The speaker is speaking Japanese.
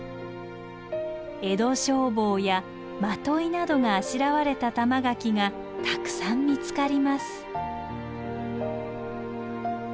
「江戸消防」や「まとい」などがあしらわれた玉垣がたくさん見つかります。